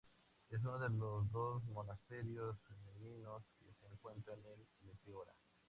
Es uno de los dos monasterios femeninos que se encuentran en Meteora.